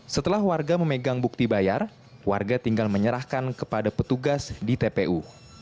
setelah warga memegang bukti bayar warga tinggal menyerahkan kepada petugas di tpu